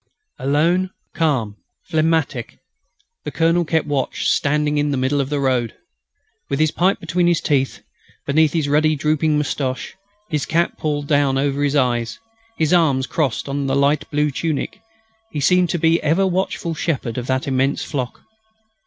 Alone, calm, phlegmatic, the Colonel kept watch, standing in the middle of the road. With his pipe between his teeth, beneath his ruddy drooping moustache, his cap pulled over his eyes, his arms crossed on his light blue tunic, he seemed to be the ever watchful shepherd of that immense flock.